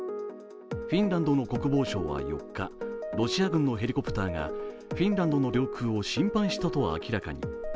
フィンランドの国防省は４日、ロシア軍のヘリコプターがフィンランドの領空を侵犯したと明らかに。